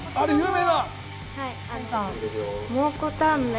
有名な。